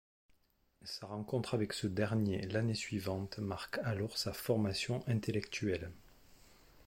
Sa rencontre avec ce dernier l’année suivante marque alors sa formation intellectuelle.